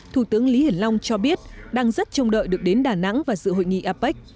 thủ tướng lý hiển long cho biết đang rất trông đợi được đến đà nẵng và dự hội nghị apec